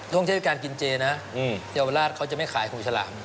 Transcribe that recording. ช่วงเทศกาลกินเจนะเยาวราชเขาจะไม่ขายหูฉลาม